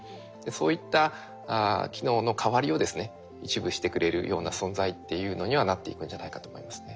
そういった機能の代わりをですね一部してくれるような存在っていうのにはなっていくんじゃないかと思いますね。